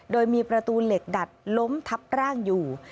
โดยมีประตูเหล็กดัดล้มทับร่างอยู่